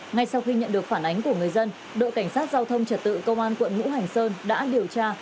ngay sau khi nhận được phản ánh của người dân đội cảnh sát giao thông trật tự công an quận ngũ hành sơn đã điều tra